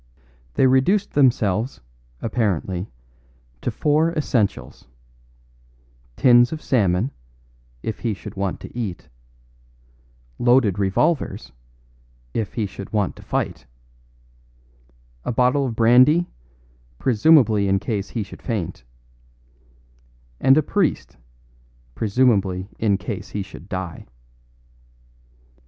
They reduced themselves, apparently, to four essentials: tins of salmon, if he should want to eat; loaded revolvers, if he should want to fight; a bottle of brandy, presumably in case he should faint; and a priest, presumably in case he should die.